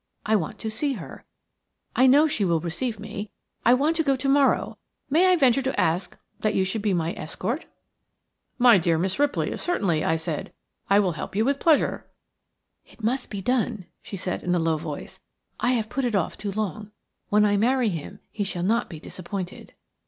I want to see her. I know she will receive me. I want to go to morrow. May I venture to ask that you should be my escort?" "My dear Miss Ripley, certainly," I said. "I will help you with pleasure." "It must be done," she said, in a low voice. "I have put it off too long. When I marry him he shall not be disappointed."